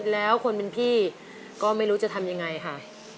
แล้วคนเป็นพี่ก็ไม่รู้จะทำยังไงค่ะ